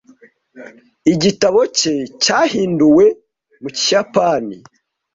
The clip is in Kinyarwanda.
Igitabo cye cyahinduwe mu Kiyapani.